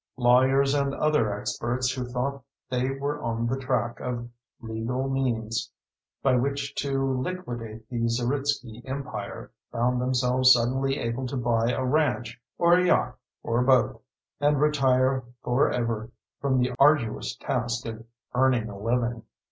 Lawyers and other experts who thought they were on the track of legal means by which to liquidate the Zeritsky empire found themselves suddenly able to buy a ranch or a yacht or both, and retire forever from the arduous task of earning a living.